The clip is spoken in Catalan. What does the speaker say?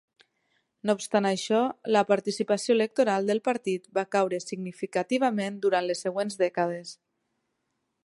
No obstant això, la participació electoral del partit va caure significativament durant les següents dècades.